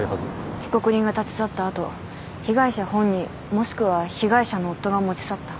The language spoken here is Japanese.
被告人が立ち去った後被害者本人もしくは被害者の夫が持ち去った。